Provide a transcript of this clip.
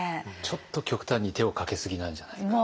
ちょっと極端に手をかけすぎなんじゃないか。